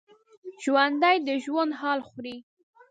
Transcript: ژوندي د ژوند حال خوري